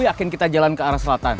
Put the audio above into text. lu yakin kita jalan ke arah selatan